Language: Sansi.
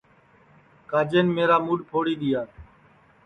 کاجین میرا موڈؔ پھوڑی دؔیا